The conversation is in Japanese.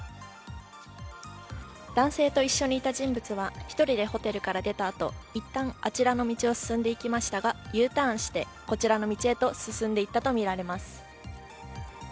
男性と一緒にいた人物は１人でホテルから出たあと、一旦あちらの道を進んでいきましたが、Ｕターンしてこちらの道へと進んでいったとみられます。